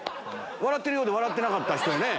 笑ってるようで笑ってなかった人やね。